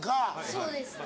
そうですね。